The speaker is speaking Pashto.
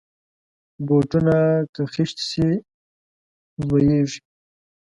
بوټونه که خیشت شي، زویږي.